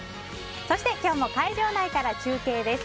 そして今日も会場内から中継です。